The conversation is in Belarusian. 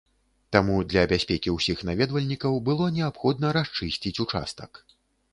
Таму для бяспекі ўсіх наведвальнікаў было неабходна расчысціць ўчастак.